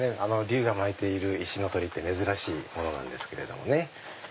龍が巻いている石の鳥居って珍しいものなんですけれどもね。